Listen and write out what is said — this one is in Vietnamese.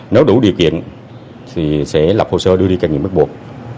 nếu đủ điều kiện sẽ lập hồ sơ đưa đi các nghiệp bắt buộc